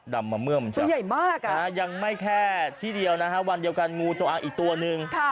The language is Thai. ดำมาเมื่อมันจับยังไม่แค่ที่เดียวนะฮะวันเดียวกันงูจงอ้างอีกตัวหนึ่ง